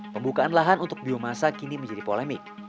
pembukaan lahan untuk biomasa kini menjadi polemik